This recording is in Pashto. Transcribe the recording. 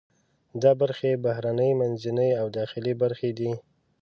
دا برخې بهرنۍ، منځنۍ او داخلي برخې دي.